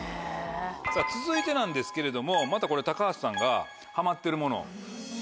続いてなんですけれどもまたこれ高畑さんがハマってるもの。